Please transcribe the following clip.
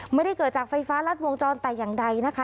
ไม่ได้เกิดจากไฟฟ้ารัดวงจรแต่อย่างใดนะคะ